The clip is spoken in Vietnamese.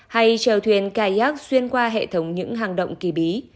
hay chờ thuyền kayak xuyên qua hệ thống những hàng động kỳ bí